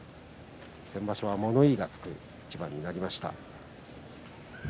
先場所は物言いがつく一番になりました。